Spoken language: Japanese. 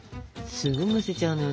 すぐ蒸せちゃうのよね。